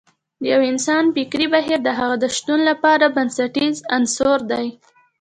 د يو انسان فکري بهير د هغه د شتون لپاره بنسټیز عنصر دی.